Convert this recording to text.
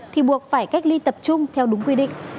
thì buộc phải cách ly tập trung theo đúng quy định